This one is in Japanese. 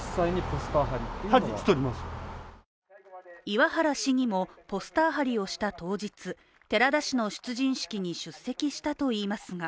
岩原市議もポスター貼りをした当日寺田氏の出陣式に出席したといいますが